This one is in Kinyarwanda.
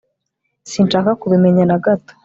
Sinshaka kubimenya nagato